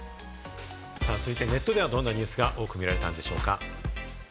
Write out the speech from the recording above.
続いて、ネットではどんなニュースが多く見られたんでしょうか？